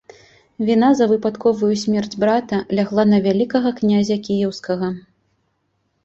Віна за выпадковую смерць брата лягла на вялікага князя кіеўскага.